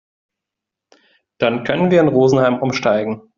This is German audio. Dann können wir in Rosenheim umsteigen.